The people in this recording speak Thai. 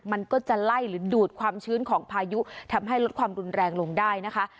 มันก็จะไล่หรือดูดความชื้นของพายุทำให้ลดความรุนแรงลงได้นะคะ